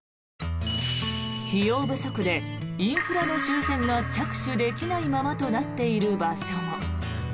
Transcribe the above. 費用不足でインフラの修繕が着手できないままとなっている場所も。